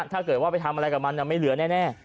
ถ้าเกิดว่าไปทำอะไรกับมันไม่เหลือแน่